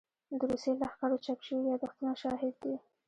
د روسي لښکرو چاپ شوي يادښتونه شاهد دي.